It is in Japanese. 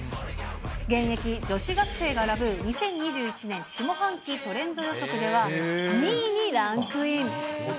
現役女子学生が選ぶ２０２１年下半期トレンド予測では、２位にランクイン。